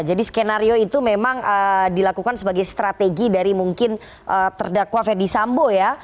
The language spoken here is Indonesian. jadi skenario itu memang dilakukan sebagai strategi dari mungkin terdakwa ferdis sambo ya